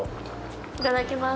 いただきます。